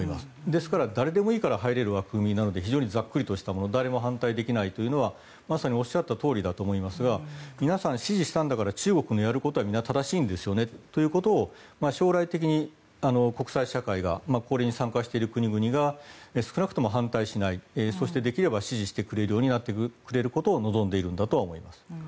ですから、誰でもいいから入れる枠組みなのでざっくりしたもので誰も反対できないというのはまさに、おっしゃったとおりだと思いますが皆さん、支持したんだから中国のやることは正しいですよねっていうことを将来的に国際社会がこれに参加している国々が少なくとも反対しないできれば支持してくれるようになってくれることを望んでいるんだとは思います。